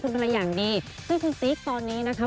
คุณพ่อแม่ยังดีก็คุณซีสต่อนี้นะครับ